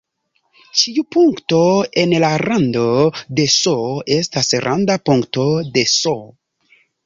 Ĉiu punkto en la rando de "S" estas randa punkto de "S".